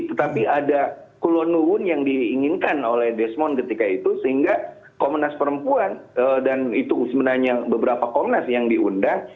tetapi ada kulonurun yang diinginkan oleh desmond ketika itu sehingga komnas perempuan dan itu sebenarnya beberapa komnas yang diundang